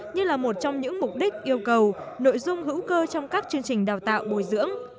như là một trong những mục đích yêu cầu nội dung hữu cơ trong các chương trình đào tạo bồi dưỡng